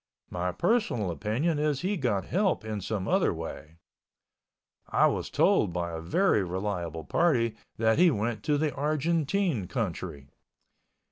My personal opinion is he got help in some other way. I was told by a very reliable party that he went to the Argentine country.